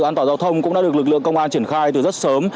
an toàn giao thông cũng đã được lực lượng công an triển khai từ rất sớm